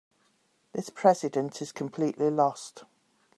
This president is completely lost.